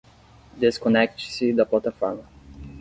Desconecte-se da plataforma